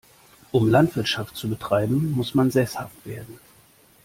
Um Landwirtschaft zu betreiben, muss man sesshaft werden.